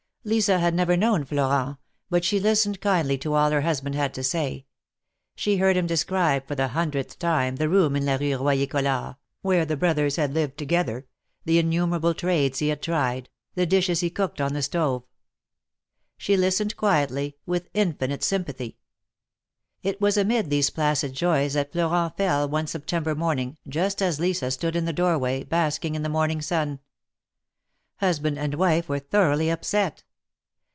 Lisa had never known Florent, but she lis tened kindly to all her husband had to say ; she heard him describe for the hundredth time the room in la Rue Royer Collard, where the brothers had lived together — the innumerable trades he had tried, the dishes he cooked on the stove. She listened quietly, with infinite sympathy. It was amid these placid joys that Florent fell one Sep tember morning, just as Lisa stood in the door way, basking in the morning sun. Husband and wife were thoroughly upset.